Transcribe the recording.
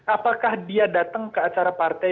apakah dia datang ke acara partai